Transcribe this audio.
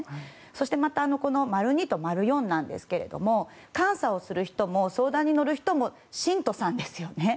そして、丸２と丸４なんですが監査をする人も相談に乗る人も信徒さんですよね。